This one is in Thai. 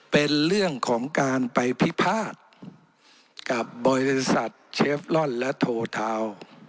เป็นเรื่องของการไปพิพาทกับบริษัทเชฟลอนและโททาวน์